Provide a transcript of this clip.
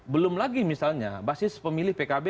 belum lagi misalnya basis pemilih pkb